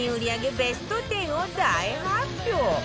ベスト１０を大発表